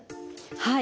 はい。